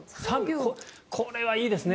これはいいですね。